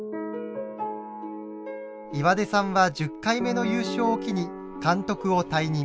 岩出さんは１０回目の優勝を機に監督を退任。